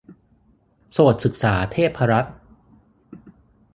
โสตศึกษาเทพรัตน์